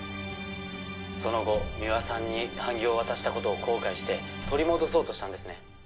「その後三輪さんに版木を渡した事を後悔して取り戻そうとしたんですね？」